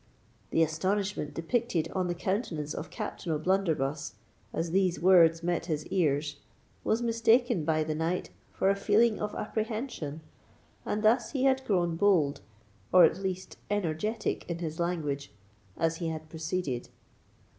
The astonishment depicted on the countenance of Captain O'Blunderbuss, as these words met his ears, was mistaken by the knight for a feeling of apprehension; and thus he had grown bold, or at least energetic in his language, as he had proceeded.